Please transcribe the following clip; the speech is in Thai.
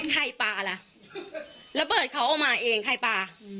ใครป่าล่ะระเบิดเขาออกมาเองใครป่า